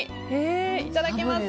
いただきます。